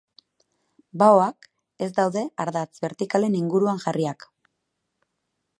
Baoak ez daude ardatz bertikalen inguruan jarriak.